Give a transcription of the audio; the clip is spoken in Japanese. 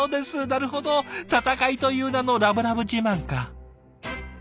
なるほど「戦い」という名のラブラブ自慢か。